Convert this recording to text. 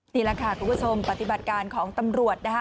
นี่แหละค่ะคุณผู้ชมปฏิบัติการของตำรวจนะคะ